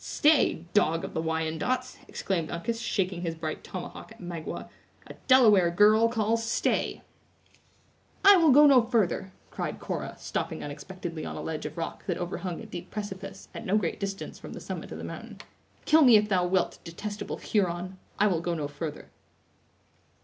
"Stay, dog of the Wyandots!" exclaimed Uncas, shaking his bright tomahawk at Magua; "a Delaware girl calls stay!" "I will go no further!" cried Cora, stopping unexpectedly on a ledge of rock, that overhung a deep precipice, at no great distance from the summit of the mountain. "Kill me if thou wilt, detestable Huron; I will go no further."